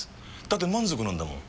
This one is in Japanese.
だって満足なんだもん。